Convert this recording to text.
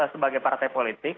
sebagai partai politik